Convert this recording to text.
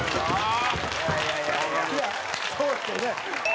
ああ